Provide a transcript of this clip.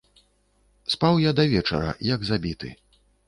Спаў я да вечара, як забіты.